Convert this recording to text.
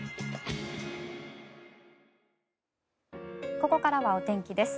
ここからはお天気です。